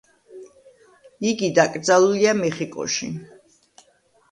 იგი დაკრძალულია მეხიკოში.